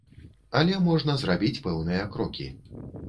Але можна зрабіць пэўныя крокі.